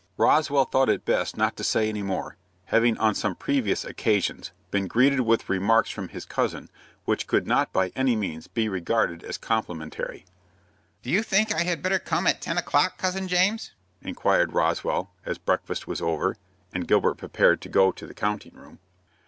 Roswell thought it best not to say any more, having on some previous occasions been greeted with remarks from his cousin which could not by any means be regarded as complimentary. "Do you think I had better come in at ten o'clock, Cousin James?" inquired Roswell, as breakfast was over, and Gilbert prepared to go to the counting room.